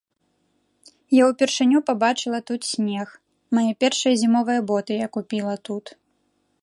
Я ўпершыню пабачыла тут снег, мае першыя зімовыя боты я купіла тут.